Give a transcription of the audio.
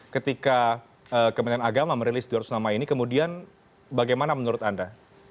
ketika kementerian agama merilis dua ratus nama ini kemudian bagaimana menurut anda